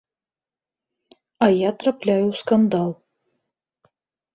А я трапляю ў скандал.